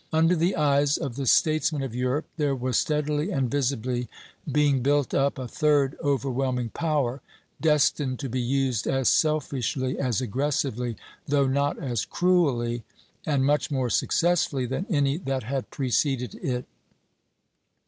Under the eyes of the statesmen of Europe there was steadily and visibly being built up a third overwhelming power, destined to be used as selfishly, as aggressively, though not as cruelly, and much more successfully than any that had preceded it.